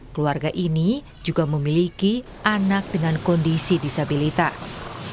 keluarga ini juga memiliki anak dengan kondisi disabilitas